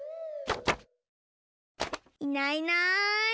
いないいない。